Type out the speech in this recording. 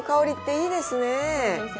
いいですね。